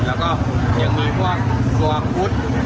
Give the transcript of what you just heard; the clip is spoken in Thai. แล้วก็ยังมีตัวฮุทธ์